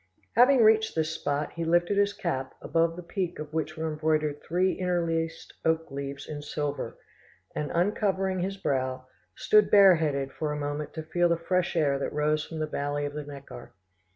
Having reached this spot, he lifted his cap, above the peak of which were embroidered three interlaced oak leaves in silver, and uncovering his brow, stood bareheaded for a moment to feel the fresh air that rose from the valley of the Neckar.